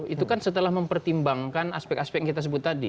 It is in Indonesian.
itu kan setelah mempertimbangkan aspek aspek yang kita sebut tadi